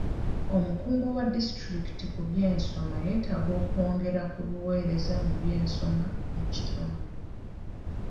Omukungu wa disitulikiti ku by'ensoma yeetaaga okwongera ku buweereza mu by'ensoma mu kitundu.